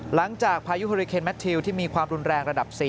หลังจากพายุเฮริเคนแมททิวที่มีความรุนแรงระดับ๔